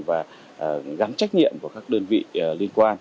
và gắn trách nhiệm của các đơn vị liên quan